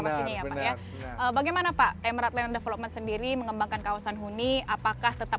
masihnya ya bagaimana pak emerald land development sendiri mengembangkan kawasan huni apakah tetap